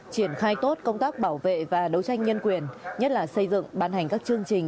triển khai tốt công tác bảo vệ và đấu tranh nhân quyền nhất là xây dựng ban hành các chương trình